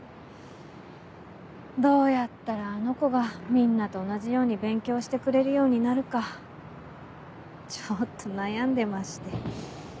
どうやったらあの子がみんなと同じように勉強してくれるようになるかちょっと悩んでまして。